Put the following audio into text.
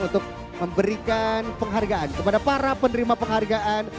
untuk memberikan penghargaan kepada para penerima penghargaan